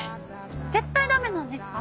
絶対ダメなんですか？